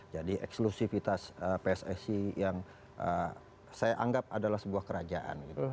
jadi eksklusifitas pssi yang saya anggap adalah sebuah kerajaan gitu